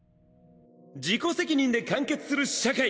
自己責任で完結する社会！